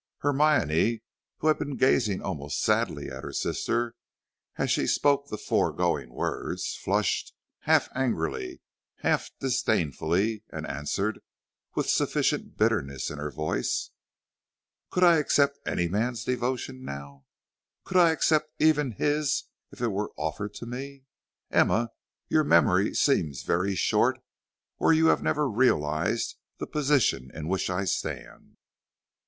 Hermione, who had been gazing almost sadly at her sister as she spoke the foregoing words, flushed, half angrily, half disdainfully, and answered with sufficient bitterness in her voice: "Could I accept any man's devotion now! Could I accept even his if it were offered to me? Emma, your memory seems very short, or you have never realized the position in which I stand."